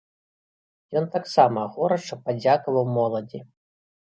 Ён таксама горача падзякаваў моладзі.